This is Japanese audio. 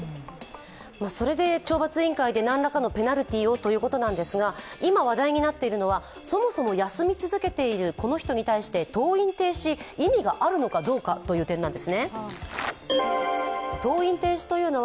それで懲罰委員会で何らかのペナルティーをということなんですが、今話題になっているのは、そもそも休み続けているこの人に対して登院停止、意味があるのかどうかという点なんです。